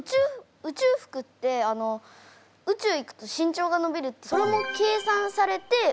宇宙服って宇宙行くと身長が伸びるってそれも計算されて宇宙服を作ってるんですか？